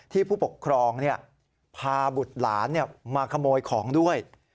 ผู้ปกครองพาบุตรหลานมาขโมยของด้วย